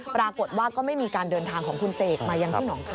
ปรากฏว่าก็ไม่มีการเดินทางของคุณเสกมายังที่หองคา